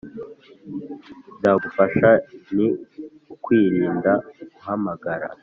byagufasha ni ukwirinda guhamagara